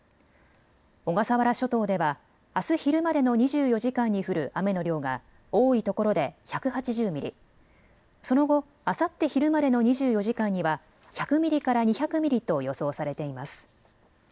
小笠原諸島ではあす昼までの２４時間に降る雨の量が多いところで１８０ミリ、その後、あさって昼までの２４時間には１００ミリから２００ミリと予想されています。